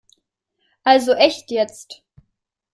Also echt jetzt!